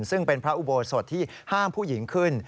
ซึ่งเป็นพระอุโบสถที่ห้ามผู้หญิงขึ้น